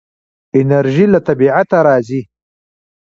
انرژي له طبیعته راځي.